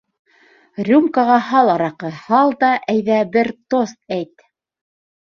Рюмкаға һал араҡы, һал да, әйҙә, бер тост әйт!